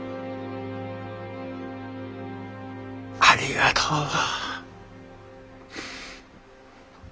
ありがとう。